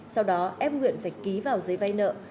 sau đó ép nguyện phải ký vào giấy vay nợ